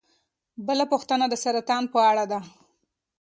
بله پوښتنه د سرطان په اړه ده.